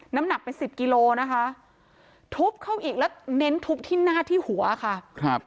น้ำหนักเป็นสิบกิโลนะคะทุบเข้าอีกแล้วเน้นทุบที่หน้าที่หัวค่ะครับ